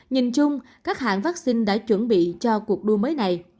nhìn chung các hãng vaccine đã chuẩn bị cho cuộc đua mới này